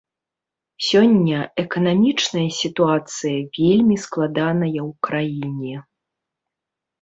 Сёння эканамічная сітуацыя вельмі складаная ў краіне.